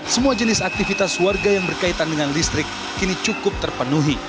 semua jenis aktivitas warga yang berkaitan dengan listrik kini cukup terpenuhi